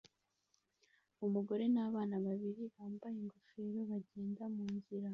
Umugore nabana babiri bambaye ingofero bagenda munzira